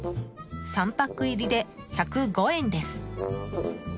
３パック入りで１０５円です。